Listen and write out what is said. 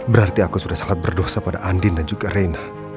berarti aku sudah sangat berdosa pada andin dan juga reina